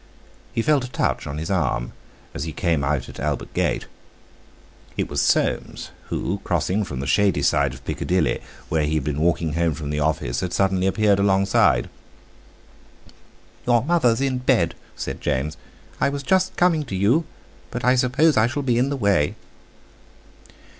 He felt a touch on the arm as he came out at Albert Gate. It was Soames, who, crossing from the shady side of Piccadilly, where he had been walking home from the office, had suddenly appeared alongside. "Your mother's in bed," said James; "I was just coming to you, but I suppose I shall be in the way."